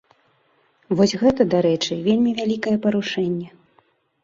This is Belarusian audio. Вось гэта, дарэчы, вельмі вялікае парушэнне.